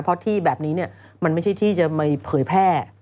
เพราะที่แบบนี้มันไม่ใช่ที่จะมาเผยแพร่